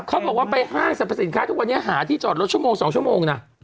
เขาบอกว่าไปห้างสรรพสินค้าทุกวันนี้หาที่จอดรถชั่วโมง๒ชั่วโมงนะ